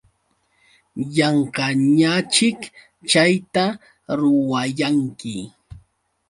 Yanqañaćhik chayta ruwayanki.